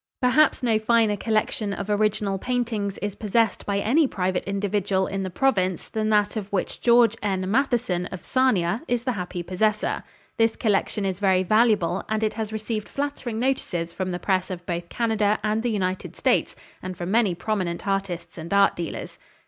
Perhaps no finer collection of original paintings is possessed by any private individual in the province than that of which George N. Matheson, of Sarnia, is the happy possessor. This collection is very valuable, and it has received flattering notices from the press of both Canada and the United States, and from many prominent artists and art dealers.